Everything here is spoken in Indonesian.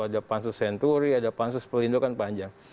ada pansus senturi ada pansus pelindungan panjang